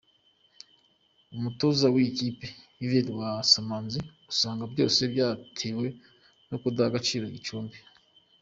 Umutoza w’iyi kipe Yves Rwasamanzi, asanga byose byatewe no kudaha agaciro Gicumbi.